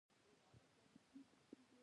د ناری ولسوالۍ پوله لري